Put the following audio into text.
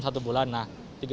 nah tiga bulan terakhir